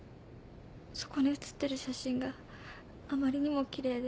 そこに写ってる写真があまりにもきれいで。